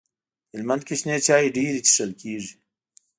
په هلمند کي شنې چاي ډيري چیښل کیږي.